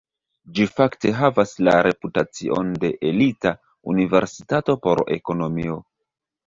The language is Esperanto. Ĝi fakte havas la reputacion de elita universitato por ekonomio.